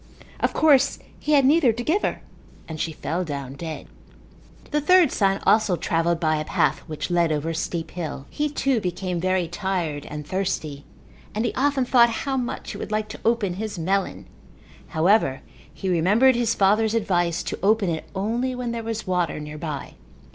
Of course he had neither to give her and she fell down dead. The third son also travelled by a path which led over a steep hill. He, too, became very tired and thirsty and he often thought how much he would like to open his melon. However, he remembered his father's advice to open it only where there was water nearby.